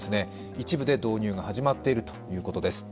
一部で導入が始まっているということです。